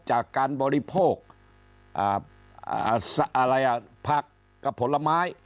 จากการบริโภคผักกับผลไม้